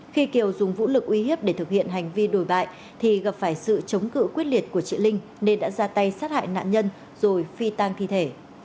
khi kiều dùng vũ lực uy hiếp để thực hiện hành vi đổi bại thì gặp phải sự chống cự quyết liệt của chị linh nên đã ra tay sát hại nạn nhân rồi phi tang thi thể